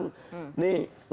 di beberapa tempat malah nyumbang